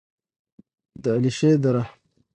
د علیشې دره: